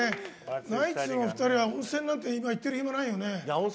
ナイツのお二人は温泉なんか入ってる暇ないよね。